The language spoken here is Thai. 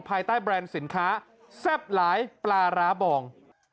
ภายใต้แบรนด์สินค้าแซ่บหลายปลาร้าบอง